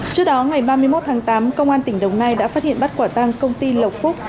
trước đó ngày ba mươi một tháng tám công an tp hà nội đã phát hiện bắt quả tăng công ty lộc phúc